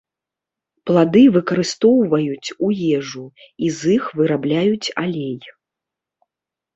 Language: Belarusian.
Плады выкарыстоўваюць у ежу, і з іх вырабляюць алей.